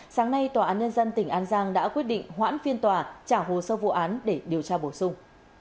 sáng nay tòa án nhân dân tỉnh an giang đã quyết định hoãn phiên tòa trả hồ sơ vụ án để điều tra bổ sung